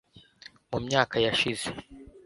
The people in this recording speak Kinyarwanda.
mu myaka yashize